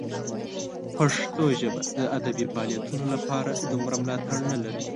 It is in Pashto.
پښتو ژبه د ادبي فعالیتونو لپاره دومره ملاتړ نه لري.